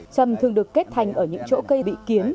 trầm thường được kết thành ở những chỗ cây bị kiến